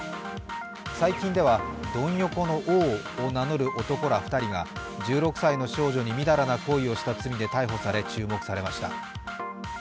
最近ではドン横の王と名乗る男ら２人が１６歳の少女にみだらな行為をした罪で逮捕され、注目されました。